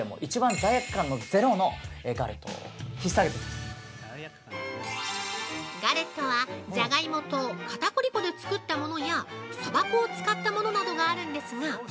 ◆続いてはガレットは、じゃがいもとかたくり粉で作ったものやそば粉を使ったものなどがあるんですが。